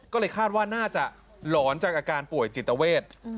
ก็เลยคาดว่าน่าจะหลอนจากอาการป่วยจิตเวท